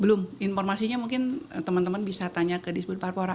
belum informasinya mungkin teman teman bisa tanya ke disbut parpora